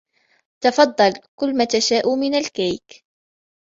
تفضل كل ما تشاء من الكيك.